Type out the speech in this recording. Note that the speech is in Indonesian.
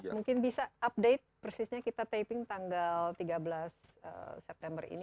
mungkin bisa update persisnya kita taping tanggal tiga belas september ini